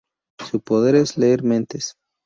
Su poder es leer mentes.